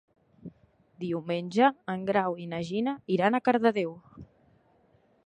Diumenge en Grau i na Gina iran a Cardedeu.